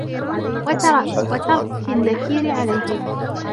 وَتَرْكِ النَّكِيرِ عَلَيْهِمْ